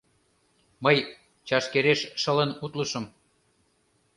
Мый чашкереш шылын утлышым.